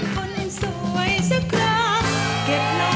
ไปก่อน